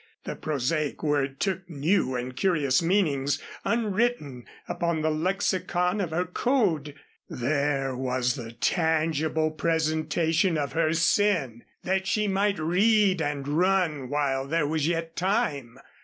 The prosaic word took new and curious meanings unwritten upon the lexicon of her code. There was the tangible presentation of her sin that she might read and run while there was yet time.